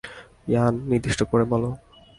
ইয়ান, নির্দিষ্ট করে বলো।